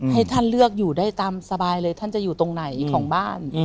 ให้ท่านเลือกอยู่ได้ตามสบายเลยท่านจะอยู่ตรงไหนของบ้าน